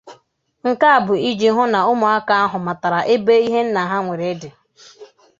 Nke a bụ iji hụ na ụmụaka ahụ matara ebe ihe nna ha nwere dị